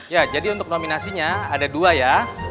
ya jadi untuk nominasinya ada dua ya